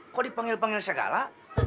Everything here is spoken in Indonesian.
kok dipanggil panggil segala